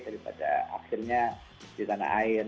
daripada akhirnya ditanah air